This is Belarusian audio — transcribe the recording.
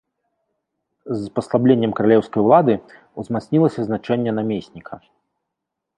З паслабленнем каралеўскай улады, узмацнілася значэнне намесніка.